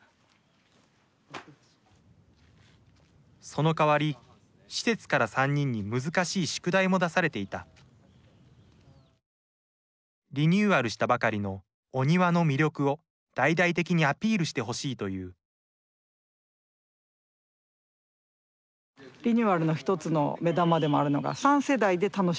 そのかわり施設から３人に難しい宿題も出されていたリニューアルしたばかりのお庭の魅力を大々的にアピールしてほしいというあオッケーオッケー。